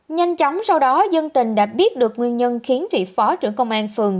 nhanh chóng sau đó dân tình đã biết được nguyên nhân khiến vị phó trưởng công an phường